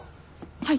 はい。